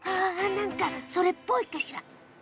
何かそれっぽいかしら。